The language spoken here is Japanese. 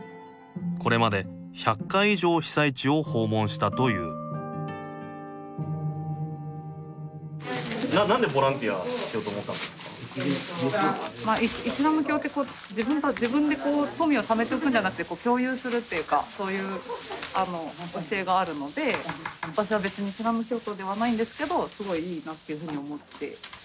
これまで１００回以上被災地を訪問したというイスラム教って自分で富をためておくんじゃなくて共有するっていうかそういう教えがあるので私は別にイスラム教徒ではないんですけどすごいいいなっていうふうに思って。